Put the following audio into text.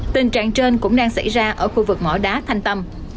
tình trạng trên cũng đang xảy ra ở khu vực mỏ đá thanh tâm